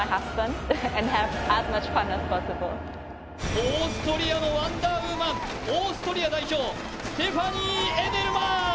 オーストリアのワンダーウーマンオーストリア代表、ステファニー・エデルマン。